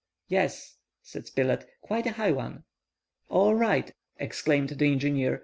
"Yes," saidSpilett, "quite a high one." "All right," exclaimed the engineer.